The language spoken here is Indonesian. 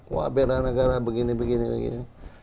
wah belanegara begini begini begini